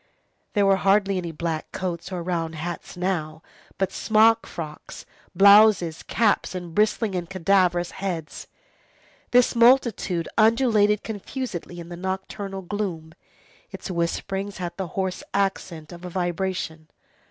There were hardly any black coats or round hats now, but smock frocks, blouses, caps, and bristling and cadaverous heads. This multitude undulated confusedly in the nocturnal gloom. Its whisperings had the hoarse accent of a vibration.